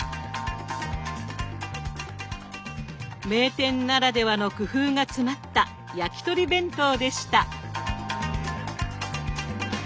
名店ならではの工夫が詰まった焼き鳥弁当でした。